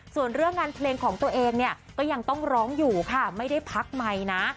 ส่วนเรื่องงานเพลงของตัวเองเนี่ยก็ยังต้องร้องอยู่ค่ะไม่ได้พักใหม่นะ